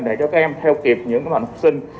để cho các em theo kịp những học sinh